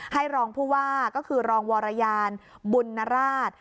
รองผู้ว่าก็คือรองวรยานบุญนราช